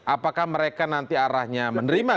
apakah mereka nanti arahnya menerima